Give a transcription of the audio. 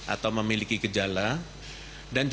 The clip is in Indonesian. atau memiliki kejalanan